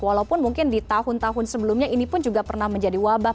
walaupun mungkin di tahun tahun sebelumnya ini pun juga pernah menjadi wabah